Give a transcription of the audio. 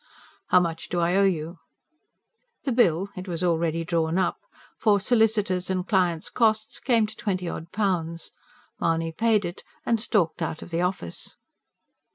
"How much do I owe you?" The bill it was already drawn up for "solicitor's and client's costs" came to twenty odd pounds. Mahony paid it, and stalked out of the office.